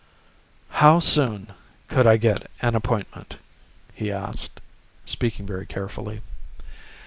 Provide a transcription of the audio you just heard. "How soon could I get an appointment?" he asked, speaking very carefully.